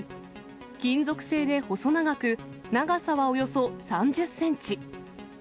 金属製で細長く、長さはおよそ３０センチ。